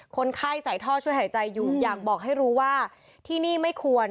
คนไข้ใส่ท่อช่วยหายใจอยู่อยากบอกให้รู้ว่าที่นี่ไม่ควร